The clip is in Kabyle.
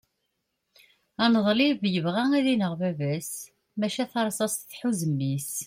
aneḍlib yebɣa ad ineɣ baba-s maca tarsast tḥuz mmi-s